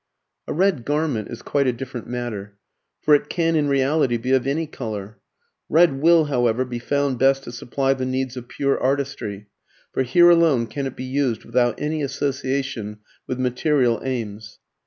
A red garment is quite a different matter; for it can in reality be of any colour. Red will, however, be found best to supply the needs of pure artistry, for here alone can it be used without any association with material aims.